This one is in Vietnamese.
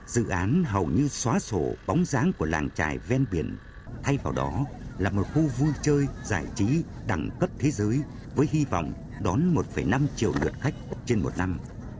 dự án hầu như xóa sổ bóng dáng của làng trải ven biển thay vào đó là một khu vui chơi giải trí đẳng cấp thế giới với hy vọng đón một năm triệu lượt khách trên một năm